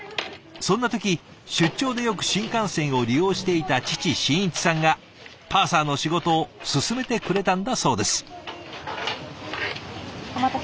そんな時出張でよく新幹線を利用していた父真一さんがパーサーの仕事を勧めてくれたんだそうです。